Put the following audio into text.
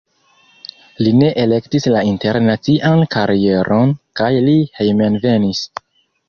Li ne elektis la internacian karieron kaj li hejmenvenis.